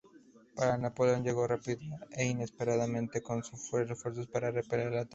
Pero Napoleón llegó rápida e inesperadamente con refuerzos para repeler el ataque.